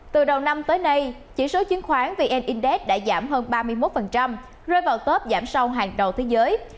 từ đầu năm tới nay chỉ số chứng khoán vn index đã giảm hơn ba mươi một rơi vào top giảm sâu hàng đầu thế giới